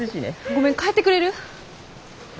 ごめん帰ってくれる？え？